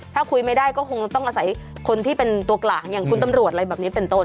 ถ้าคุยไม่ได้ก็คงจะต้องอาศัยคนที่เป็นตัวกลางอย่างคุณตำรวจอะไรแบบนี้เป็นต้น